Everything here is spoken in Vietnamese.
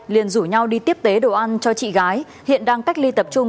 liền rủ nhau đi tiếp tế đồ ăn cho chị gái hiện đang cách ly tập trung